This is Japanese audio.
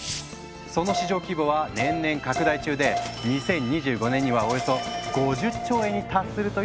その市場規模は年々拡大中で２０２５年にはおよそ５０兆円に達するという予測もあるんです。